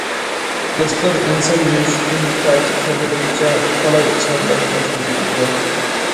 دوستلار، ئىنسان بۆشۈكتىن تاكى قەبرىگىچە تالاي قىسمەتلەرنى باشتىن كەچۈرىدۇ.